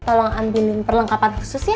tolong ampunin perlengkapan khusus ya